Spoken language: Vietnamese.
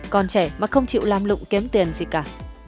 còn trẻ mà không chịu làm lụng kém tiền gì cả